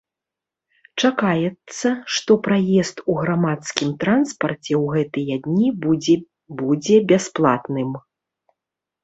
Чакаецца, што праезд у грамадскім транспарце ў гэтыя дні будзе будзе бясплатным.